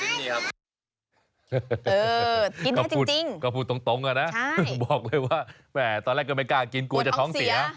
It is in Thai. กินก็พูดจริงก็พูดตรงอะนะบอกเลยว่าแม่ตอนแรกก็ไม่กล้ากินกลัวจะท้องเสีย